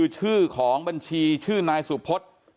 ชื่อของบัญชีชื่อนายสุพฤษ